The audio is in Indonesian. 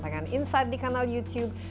dengan insight di kanal youtube